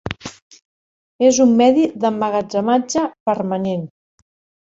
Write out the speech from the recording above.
És un medi d'emmagatzematge permanent.